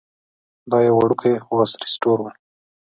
دا یو وړوکی خو عصري سټور و.